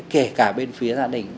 kể cả bên phía gia đình